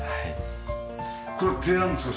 これ提案ですか？